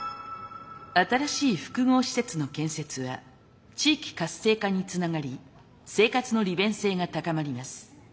新しい複合施設の建設は地域活性化につながり生活の利便性が高まります。